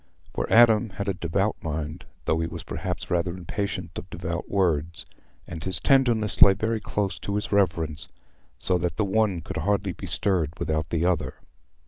For Adam had a devout mind, though he was perhaps rather impatient of devout words, and his tenderness lay very close to his reverence, so that the one could hardly be stirred without the other.